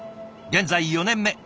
現在４年目。